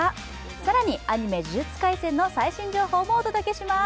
さらに、「アニメ呪術廻戦」の最新情報をお届けします。